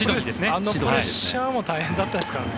あのプレッシャーも大変だったですからね。